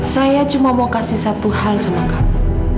saya cuma mau kasih satu hal sama kamu